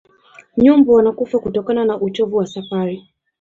nyumbu wanakufa kutokana na uchovu wa safari